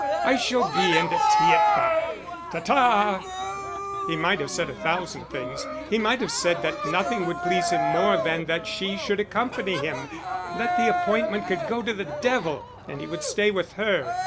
"I shall be in to tea at five. Ta ta!" He might have said a thousand things. He might have said that nothing would please him more than that she should accompany him, that the appointment could go to the devil and he would stay with her.